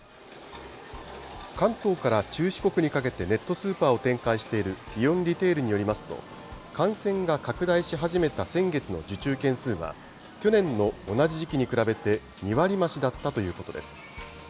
関東から中四国にかけて、ネットスーパーを展開しているイオンリテールによりますと、感染が拡大し始めた先月の受注件数は、去年の同じ時期に比べて２割増しだったということです。